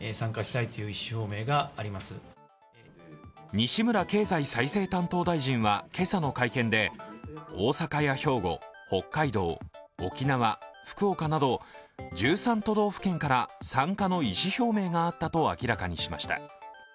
西村経済再生担当大臣は今朝の会見で大阪や兵庫、北海道、沖縄、福岡など１３都道府県から参加の意思表明があったと明らかにしました。